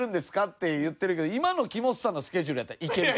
って言ってるけど今の木本さんのスケジュールやったら行ける。